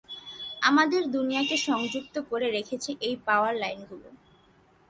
আমাদের দুনিয়াকে সংযুক্ত করে রেখেছে এই পাওয়ার লাইনগুলো।